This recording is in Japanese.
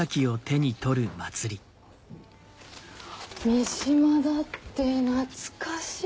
三島だって懐かしい。